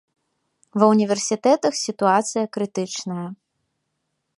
Ва ўніверсітэтах сітуацыя крытычная.